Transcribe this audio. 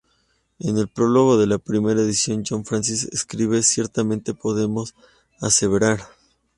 En el prólogo de la primera edición John Francis escribe: "Ciertamente podemos aseverar.